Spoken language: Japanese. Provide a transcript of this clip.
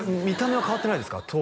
見た目は変わってないですか？